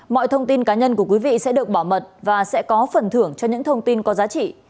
mọi thông tin cá nhân của quý vị sẽ được bảo mật và sẽ có phần thưởng cho những thông tin có giá trị